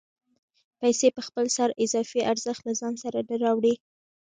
پیسې په خپل سر اضافي ارزښت له ځان سره نه راوړي